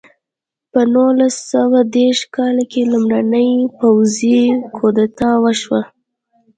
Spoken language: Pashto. په نولس سوه دېرش کال کې لومړنۍ پوځي کودتا وشوه.